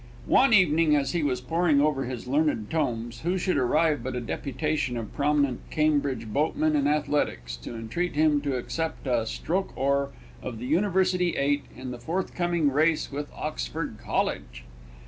One evening as he was poring over his learned tomes, who should arrive but a deputation of prominent Cambridge boatmen and athletics, to entreat him to accept a stroke oar of the University eight in the forthcoming race with Oxford College!